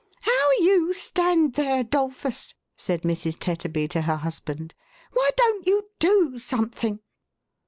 " How you stand there, ' Dolphus," said Mrs. Tetterby to her husband. " Why don't you do something